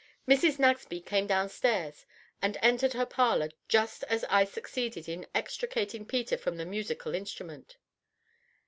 Mrs. Nagsby came downstairs and entered her parlor just as I succeeded in extracting Peter from the musical instrument.